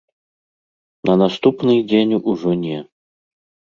На наступны дзень ужо не.